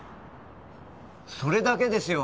それだけですよ！